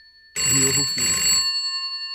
Rio Rufino